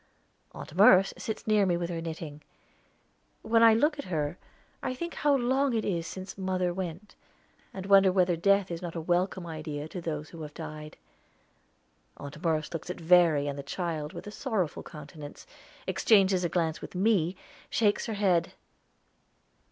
Aunt Merce sits near me with her knitting. When I look at her I think how long it is since mother went, and wonder whether death is not a welcome idea to those who have died. Aunt Merce looks at Verry and the child with a sorrowful countenance, exchanges a glance with me, shakes her head.